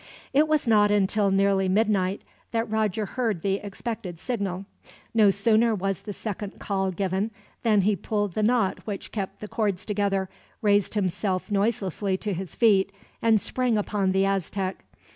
It was not until nearly midnight that Roger heard the expected signal. No sooner was the second call given, than he pulled the knot which kept the cords together, raised himself noiselessly to his feet, and sprang upon the Aztec.